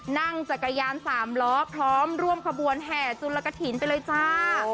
นั่งจักรยาน๓ล้อพร้อมร่วมขบวนแห่จุลกฐินไปเลยจ้า